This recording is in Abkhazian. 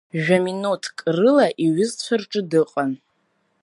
Жәа минуҭк рыла иҩызцәа рҿы дыҟан.